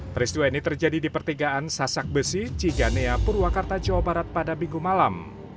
peristiwa ini terjadi di pertigaan sasak besi ciganea purwakarta jawa barat pada minggu malam